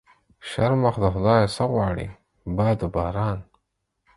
شرمښ د خدا يه څه غواړي ؟ باد و باران.